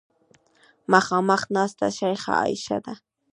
مخامخ ناسته شیخه عایشه ده.